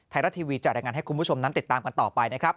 ไทยรัฐทีวีจะรายงานให้คุณผู้ชมนั้นติดตามกันต่อไปนะครับ